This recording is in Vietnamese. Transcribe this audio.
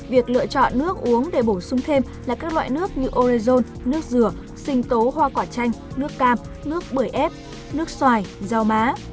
việc lựa chọn nước uống để bổ sung thêm là các loại nước như orezone nước dừa sinh tố hoa quả chanh nước cam nước bưởi ép nước xoài rau má